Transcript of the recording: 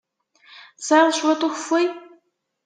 Tesɛiḍ cwiṭ n ukeffay?